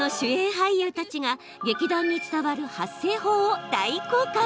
俳優たちが劇団に伝わる発声法を大公開。